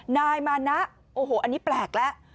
นายมานะโอ้โหอันนี้แปลกแล้ว